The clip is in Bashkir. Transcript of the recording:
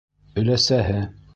Өләсәһе: